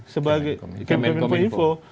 sebagai kementerian peninfo